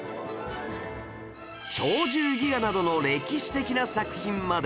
『鳥獣戯画』などの歴史的な作品まで